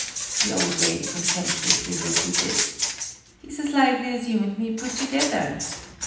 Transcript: the old lady contemptuously repeated. "He's as lively as you and me put together!